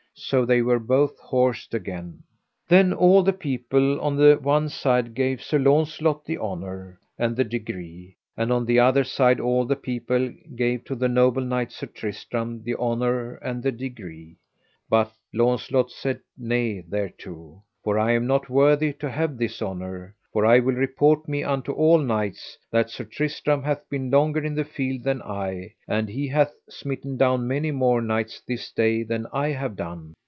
So they were both horsed again. Then all the people on the one side gave Sir Launcelot the honour and the degree, and on the other side all the people gave to the noble knight Sir Tristram the honour and the degree; but Launcelot said nay thereto: For I am not worthy to have this honour, for I will report me unto all knights that Sir Tristram hath been longer in the field than I, and he hath smitten down many more knights this day than I have done.